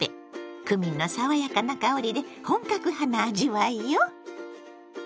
クミンの爽やかな香りで本格派な味わいよ。